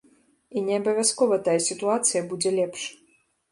І не абавязкова тая сітуацыя будзе лепш.